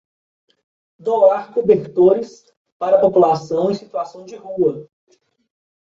Doar cobertores para a população em situação de rua